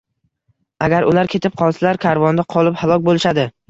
Agar ular ketib qolsalar, karvonda qolib, halok bo'lishadi